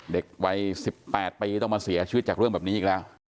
เด็กวัย๑๘ปีต้องมาเสียชีวิตจากเรื่องแบบนี้อีกแล้ว